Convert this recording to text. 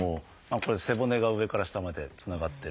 これ背骨が上から下までつながってると。